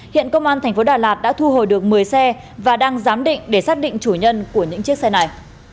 hiện công an thành phố đà lạt đã thu hồi được một mươi xe và đang giám định để xác định chủ nhân của những chiếc xe này